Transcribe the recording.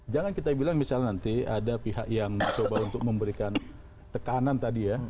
jangan kita bilang misalnya nanti ada pihak yang mencoba untuk memberikan tekanan tadi ya